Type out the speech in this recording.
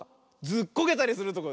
ずっこけたりするとこ。